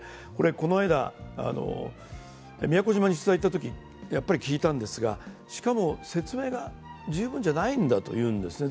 この間、宮古島に取材に行ったときに聞いたんですが、しかも説明が十分じゃないんだと言うんですね。